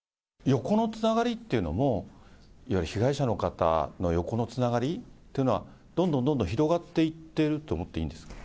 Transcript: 横のつながりっていうのも、いわゆる被害者の方の横のつながりっていうのは、どんどんどんどん広がっていってると思っていいんですか？